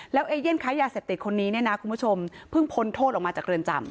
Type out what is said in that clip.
แล้วเอเย่นค้ายาเสพติดคนนี้เนี่ยนะคุณผู้ชมเพิ่งพ้นโทษออกมาจากเรือนจำ